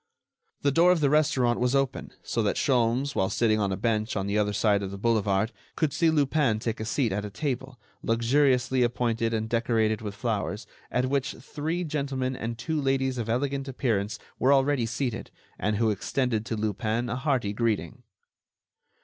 The door of the restaurant was open, so that Sholmes, while sitting on a bench on the other side of the boulevard, could see Lupin take a seat at a table, luxuriously appointed and decorated with flowers, at which three gentlemen and two ladies of elegant appearance were already seated and who extended to Lupin a hearty greeting.